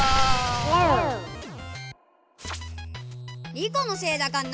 リコのせいだかんな！